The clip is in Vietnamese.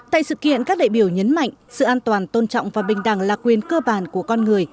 tại sự kiện các đại biểu nhấn mạnh sự an toàn tôn trọng và bình đẳng là quyền cơ bản của con người